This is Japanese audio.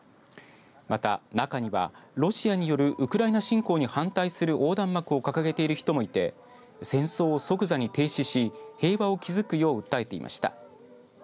また中にはロシアによるウクライナ侵攻に反対する横断幕を掲げている人もいて戦争を即座に停止し平和を築くよう訴えていました。